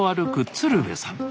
鶴瓶さん。